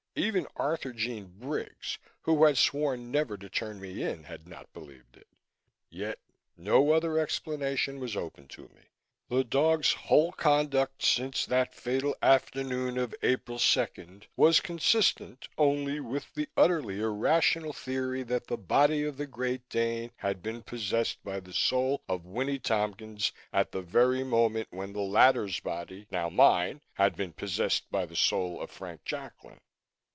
Even Arthurjean Briggs, who had sworn never to turn me in, had not believed it. Yet no other explanation was open to me. The dog's whole conduct since that fatal afternoon of April second was consistent only with the utterly irrational theory that the body of the Great Dane had been possessed by the soul of Winnie Tompkins at the very moment when the latter's body now mine had been possessed by the soul of Frank Jacklin.